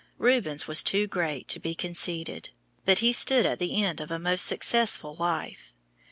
Rubens was too great to be conceited, but he stood at the end of a most successful life.